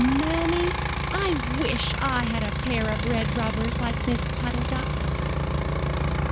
Mammy, I wish I had a pair of red rubbers like Miss Puddle Duck's."